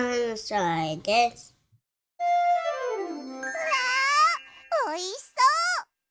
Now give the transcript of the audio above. うわおいしそう！